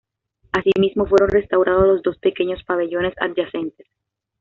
Asimismo fueron restaurados los dos pequeños pabellones adyacentes.